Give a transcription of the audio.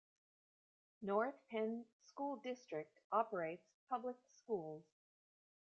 North Penn School District operates public schools.